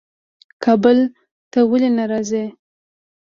کابل ته ولي نه راځې؟